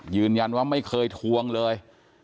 ยืนยันว่าไม่เคยทวงเลย